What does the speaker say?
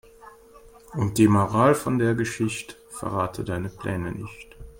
Und die Moral von der Geschicht': Verrate deine Pläne nicht.